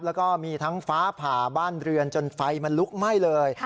แล้วก็มีทั้งฟ้าผ่าบ้านเรือนจนไฟมันลุกไหม้เลย